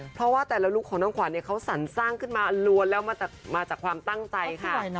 เพราะว่าแต่ละลุคของน้องขวัญเขาสรรสร้างขึ้นมาล้วนแล้วมาจากความตั้งใจค่ะ